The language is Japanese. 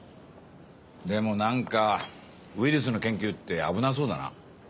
でも何かウイルスの研究って危なそうだな。